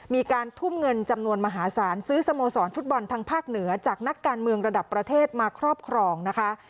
มีการทุ่มเงินจำนวนมหาศาลซื้อสโมสรฟุตบอลทางภาคเหนือจากนักการเมืองระดับประเทศมาครอบครองนะคะ